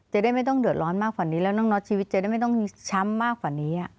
จะได้ไม่ต้องเดือดร้อนมากกว่านี้แล้วน้องน็อตชีวิตจะได้ไม่ต้องช้ำมากกว่านี้